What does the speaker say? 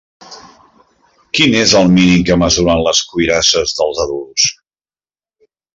Quin és el mínim que mesuren les cuirasses dels adults?